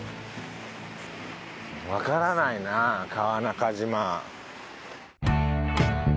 わからないな川中島。